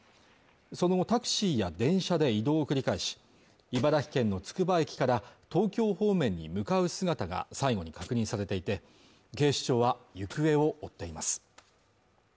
その後タクシーや電車で移動を繰り返し茨城県のつくば駅から東京方面に向かう姿が最後に確認されていて警視庁は行方を追っています